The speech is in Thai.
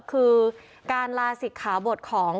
คือการลาศิกขาบทของ